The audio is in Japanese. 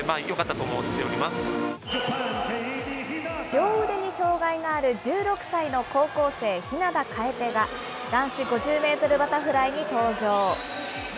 両腕に障害がある１６歳の高校生、日向楓が男子５０メートルバタフライに登場。